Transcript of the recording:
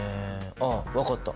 あっ分かった！